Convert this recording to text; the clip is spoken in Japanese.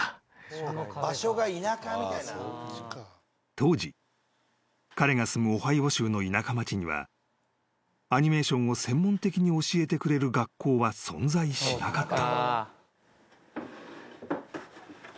［当時彼が住むオハイオ州の田舎町にはアニメーションを専門的に教えてくれる学校は存在しなかった］